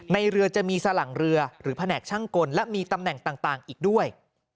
ในเรือจะมีสลั่งเรือหรือแผนกช่างกลและมีตำแหน่งต่างอีกด้วย